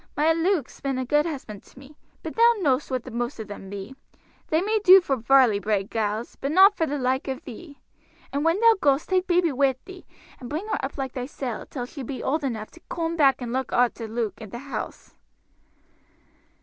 My Luke's been a good husband to me. But thou know'st what the most of them be they may do for Varley bred gals, but not for the like of thee. And when thou goest take baby wi' thee and bring her up like thysel till she be old enough to coom back and look arter Luke and the house."